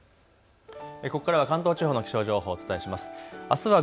この関東地方の気象情報をお伝えします。